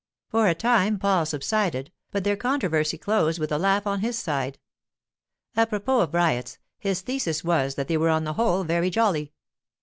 For a time Paul subsided, but their controversy closed with the laugh on his side. Apropos of riots, his thesis was that they were on the whole very jolly.